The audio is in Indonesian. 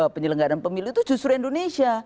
penyelenggaran pemilu itu justru indonesia